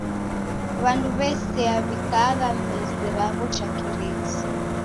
W'andu w'esea w'ikaagha mizi raw'o cha kireti.